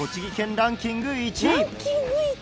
「ランキング１位？」